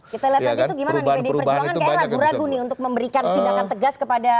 kita lihat tadi itu gimana pdi perjuangan kayak ragu ragu nih untuk memberikan tindakan tegas kepada